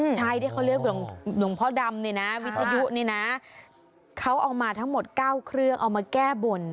ที่เขาเรียกหลวงพ่อดำเนี่ยนะวิทยุนี่นะเขาเอามาทั้งหมด๙เครื่องเอามาแก้บน